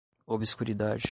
obscuridade